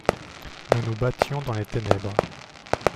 Nous nous battions dans les ténèbres.